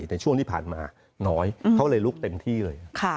แต่ช่วงที่ผ่านมาน้อยเขาเลยลุกเต็มที่เลย